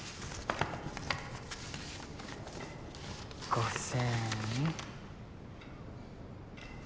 ５０００。